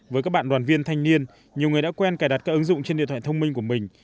với các bạn đoàn viên thanh niên nhiều người đã quen cài đặt các ứng dụng trên điện thoại thông minh của mình